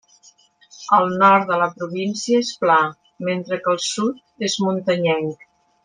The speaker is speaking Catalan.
El nord de la província és pla mentre que el sud és muntanyenc.